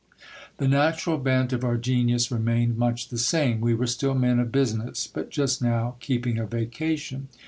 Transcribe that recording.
The na tural bent of our genius remained much the same ; we were still men of busi ness, but just now keeping a vacation.